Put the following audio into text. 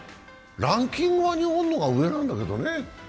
ランキングは日本の方が上なんだけどね。